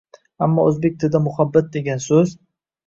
Ammo o’zbek tilida “Muhabbat” degan so’z